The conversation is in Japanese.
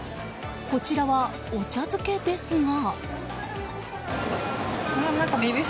こちらはお茶漬けですが。